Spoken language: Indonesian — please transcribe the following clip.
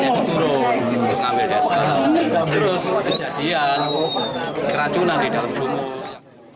ngambil dasar terus kejadian keracunan di dalam sumur